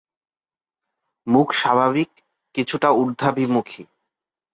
মুখ স্বাভাবিক, কিছুটা উর্ধাভিমুখী।